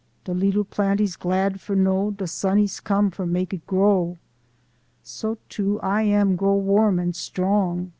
Da leetla plant ees glad for know Da sun ees com' for mak' eet grow; So too, I am grow warm an' strong.'